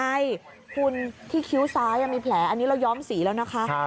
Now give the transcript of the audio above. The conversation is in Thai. ใช่คุณที่คิ้วซ้ายมีแผลอันนี้เราย้อมสีแล้วนะคะ